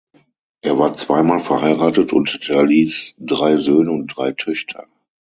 Er war zweimal verheiratet und hinterließ drei Söhne und drei Töchter.